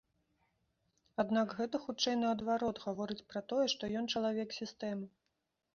Аднак гэта хутчэй, наадварот, гаворыць пра тое, што ён чалавек сістэмы.